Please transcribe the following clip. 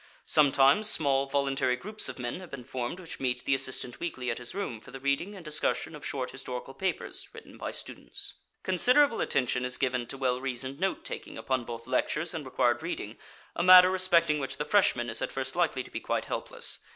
Sometimes small voluntary groups of men have been formed which meet the assistant weekly at his room for the reading and discussion of short historical papers written by students. Considerable attention is given to well reasoned note taking upon both lectures and required reading, a matter respecting which the freshman is at first likely to be quite helpless.